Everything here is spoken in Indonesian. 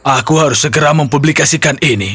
aku harus segera mempublikasikan ini